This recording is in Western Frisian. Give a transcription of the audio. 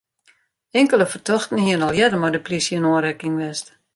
Inkelde fertochten hiene al earder mei de plysje yn oanrekking west.